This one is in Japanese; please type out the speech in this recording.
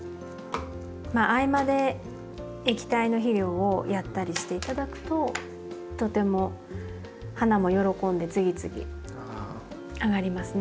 まあ合間で液体の肥料をやったりして頂くととても花も喜んで次々あがりますね。